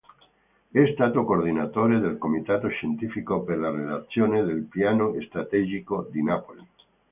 È stato coordinatore del comitato scientifico per la redazione del Piano Strategico di Napoli.